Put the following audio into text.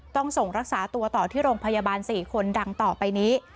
ต้องส่งรักษาตัวต่อที่โรงพยาบาล๔คนดังต่อไปนี้